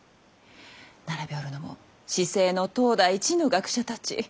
並びおるのも市井の当代一の学者たち。